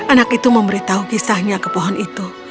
anak itu memberitahu kisahnya ke pohon itu